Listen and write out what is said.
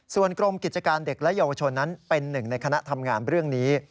ส่วนกรมกิจการเด็กและเยาวชนนั้นเป็นหนึ่งในคณะทำงานเรื่องนี้